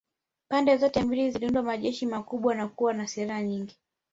Pande zote mbili ziliunda majeshi makubwa na kuwa na silaha nyingi